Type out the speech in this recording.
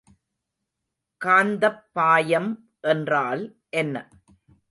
காந்தப்பாயம் என்றால் என்ன?